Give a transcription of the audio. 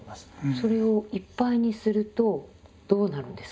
それをいっぱいにするとどうなるんですか？